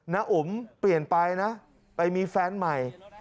อุ๋มเปลี่ยนไปนะไปมีแฟนใหม่